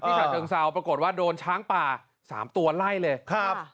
ฉะเชิงเซาปรากฏว่าโดนช้างป่า๓ตัวไล่เลยครับ